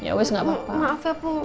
ya wess gak apa apa maaf ya bu